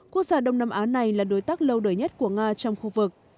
quốc gia đông nam á này là đối tác lâu đời nhất của nga trong khu vực